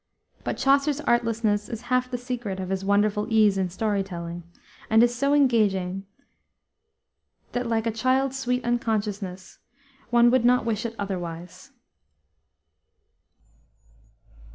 But Chaucer's artlessness is half the secret of his wonderful ease in story telling, and is so engaging that, like a child's sweet unconsciousness, one would not wish it otherwise.